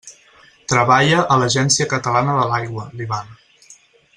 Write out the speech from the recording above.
Treballa a l'Agència Catalana de l'Aigua, l'Ivan.